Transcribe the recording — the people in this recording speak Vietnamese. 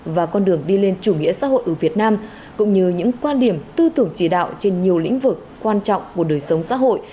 và con đường đi lên chủ nghĩa xã hội ở việt nam cũng như những quan điểm tư tưởng chỉ đạo trên nhiều lĩnh vực quan trọng của đời sống xã hội